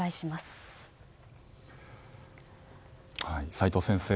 齋藤先生